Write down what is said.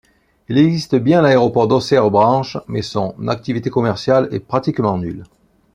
Il existe bien l'aéroport d'Auxerre - Branches mais son l'activité commerciale est pratiquement nulle.